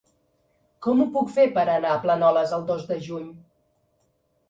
Com ho puc fer per anar a Planoles el dos de juny?